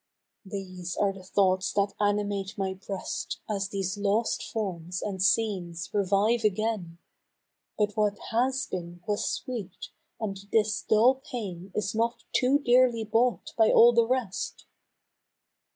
These are the thoughts that animate my breast As these lost forms and scenes revive again. But what has been was sweet, and this dull pain Is not too dearly bought by all the rest